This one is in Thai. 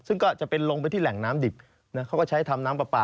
ซึ่งก็จะเป็นลงไปที่แหล่งน้ำดิบเขาก็ใช้ทำน้ำปลา